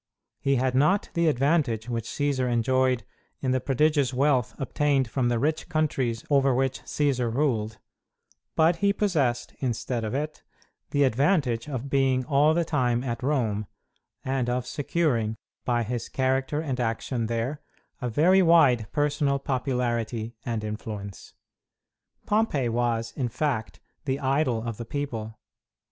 He had not the advantage which Cćsar enjoyed in the prodigious wealth obtained from the rich countries over which Cćsar ruled, but he possessed, instead of it, the advantage of being all the time at Rome, and of securing, by his character and action there, a very wide personal popularity and influence. Pompey was, in fact, the idol of the people.